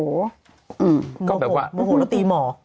โอ้โหแล้วตีหมอ